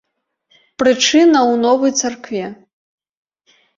Прычына ў новай царкве.